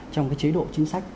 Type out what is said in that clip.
trong cái chế độ chính sách